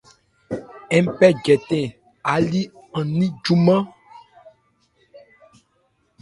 Ń pɛ jɛtɛn áli an ní júmán.